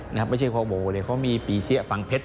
ไม่ใช่เพราะโบว์เลยเพราะมีปีเสี้ยฝังเพชร